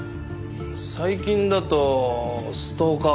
最近だとストーカーかな。